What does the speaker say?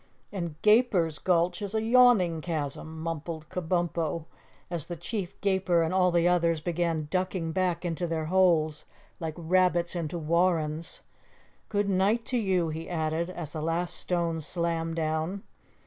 "And Gaper's Gulch is a yawning chasm," mumbled Kabumpo, as the Chief Gaper and all the others began ducking back into their holes like rabbits into warrens. "Good night to you," he added, as the last stone slammed down.